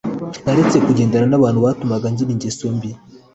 naretse kugendana n ‘abantu batumaga ngira ingeso mbi.